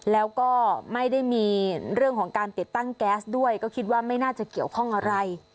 แล้วก็ไม่ได้มีเรื่องของการติดตั้งแก๊สด้วยก็คิดว่าไม่น่าจะเกี่ยวข้องอะไร